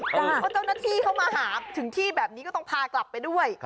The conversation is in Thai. เพราะเจ้าหน้าที่เขามาหาถึงที่แบบนี้ก็ต้องพากลับไปด้วย